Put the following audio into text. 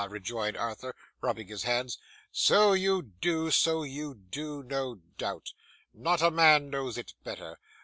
rejoined Arthur, rubbing his hands. 'So you do, so you do, no doubt. Not a man knows it better.